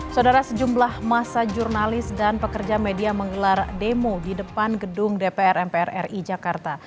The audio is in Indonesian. saudara sejumlah masa jurnalis dan pekerja media menggelar demo di depan gedung dpr mpr ri jakarta